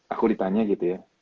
aku ditanya gitu ya